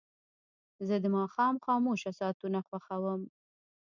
زه د ماښام خاموشه ساعتونه خوښوم.